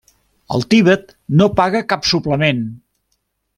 El Tibet no paga cap suplement.